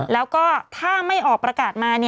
แล้วก็ถ้าไม่ออกประกาศมา